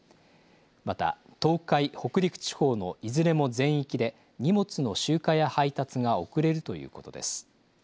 また東海、北陸地方のいずれも全域で荷物の集荷や配達が遅れるということです。